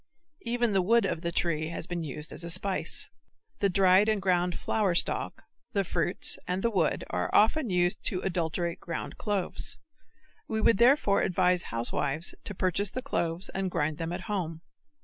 Even the wood of the tree has been used as a spice. The dried and ground flower stalk, the fruits and the wood are often used to adulterate ground cloves. We would therefore advise housewives to purchase the cloves and grind them at home.